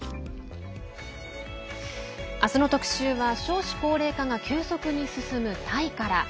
明日の特集は少子高齢化が急速に進むタイから。